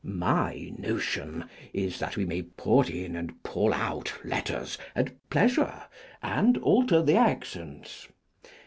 My notion is that we may put in and pull out letters at pleasure and alter the accents.'